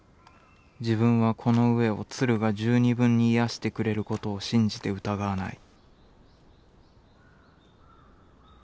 自分はこの餓えを鶴が十二分に癒してくれることを信じて疑わない」。